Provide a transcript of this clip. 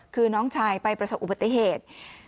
คือน้องชายไปประสบอุบัติเหตุ